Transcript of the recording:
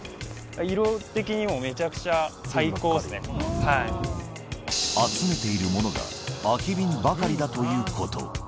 色的にもめちゃくちゃ、最高です集めているものが、空き瓶ばかりだということ。